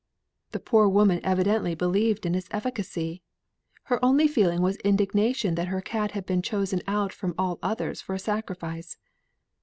The poor woman evidently believed in its efficacy; her only feeling was indignation that her cat had been chosen out from all others for a sacrifice.